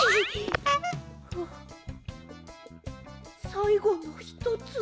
さいごのひとつ。